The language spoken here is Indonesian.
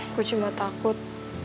aku cuma takut